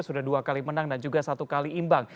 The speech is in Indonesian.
sudah dua kali menang dan juga satu kali imbang